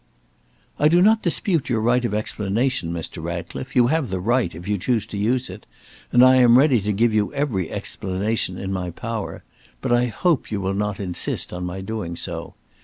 "I do not dispute your right of explanation, Mr. Ratcliffe. You have the right, if you choose to use it, and I am ready to give you every explanation in my power; but I hope you will not insist on my doing so.